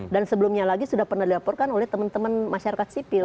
dan sebelumnya lagi sudah pernah dilaporkan oleh teman teman masyarakat sipil